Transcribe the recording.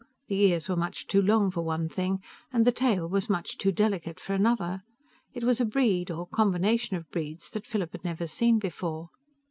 The ears were much too long, for one thing, and the tail was much too delicate, for another. It was a breed or combination of breeds that Philip had never seen before.